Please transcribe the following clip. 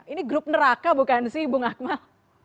itu meraka bukan sih ibu akmal